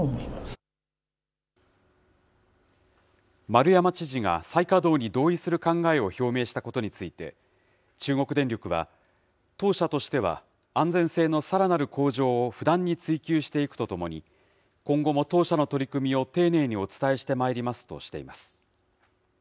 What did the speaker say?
丸山知事が再稼働に同意する考えを表明したことについて、中国電力は、当社としては安全性のさらなる向上を不断に追求していくとともに、今後も当社の取り組みを丁寧にお伝えしてまいりますとしています。